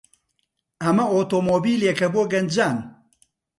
ئەمە ئۆتۆمۆبیلێکە بۆ گەنجان.